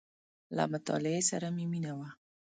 • له مطالعې سره مې مینه وه.